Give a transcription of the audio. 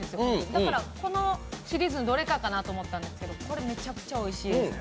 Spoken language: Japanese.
だからこのシリーズのどれかかなと思ったんですけどこれめちゃくちゃおいしいです。